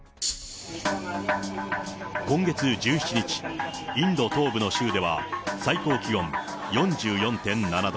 今月１７日、インド東部の州では、最高気温４４．７度。